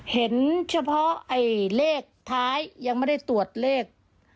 เห็นเฉพาะเลขท้ายยังไม่ได้ตรวจเลข